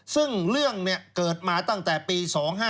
ซึ่งเรื่องเกิดมาตั้งแต่ปี๒๕๕